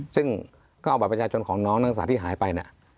ซึ่งก็เอาบัตรประชาชนของน้องนักศึกษาที่หายไปเนี่ย